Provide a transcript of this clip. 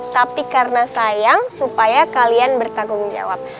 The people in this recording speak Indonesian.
tapi karena sayang supaya kalian bertanggung jawab